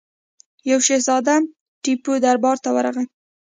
یوه شهزاده ټیپو دربار ته ورغی.